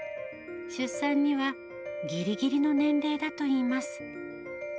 出産にはぎりぎりの年齢だといいます。